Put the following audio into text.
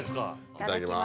いただきます。